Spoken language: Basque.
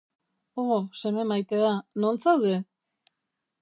O, seme maitea, non zaude?